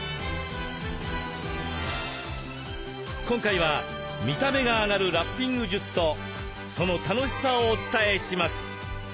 今回は見た目が上がるラッピング術とその楽しさをお伝えします。